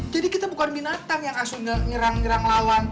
jadi kita bukan binatang yang asli nyerang nyerang lawan